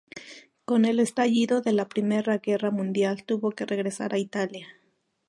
Con el estallido de la Primera Guerra Mundial, tuvo que regresar a Italia.